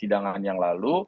pada persidangan yang lalu